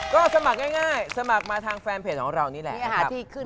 ก็สมัครง่ายสมัครมาทางแฟนเพจของเรานี่แหละ